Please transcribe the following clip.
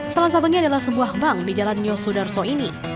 salah satunya adalah sebuah bank di jalan nyosudarso ini